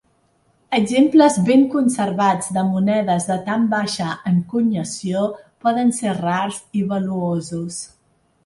Exemples ben conservats de monedes de tan baixa encunyació poden ser rars i valuosos.